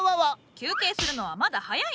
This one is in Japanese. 休憩するのはまだ早い！